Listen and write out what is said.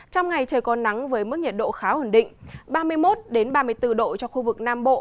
trong ngày trời còn nắng với mức nhiệt độ khá hẳn định ba mươi một đến ba mươi bốn độ cho khu vực nam bộ